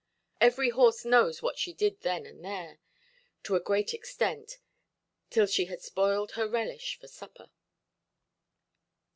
Every horse knows what she did then and there, to a great extent, till she had spoiled her relish for supper.